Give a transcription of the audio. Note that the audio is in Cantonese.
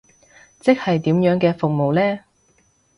即係點樣嘅服務呢？